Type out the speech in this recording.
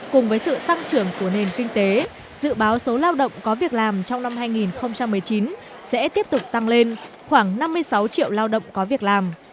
cùng với sự tăng trưởng của nền kinh tế dự báo số lao động có việc làm trong năm hai nghìn một mươi chín sẽ tiếp tục tăng lên khoảng năm mươi sáu triệu lao động có việc làm